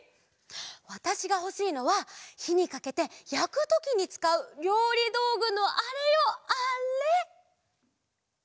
わたしがほしいのはひにかけてやくときにつかうりょうりどうぐのあれよあれ！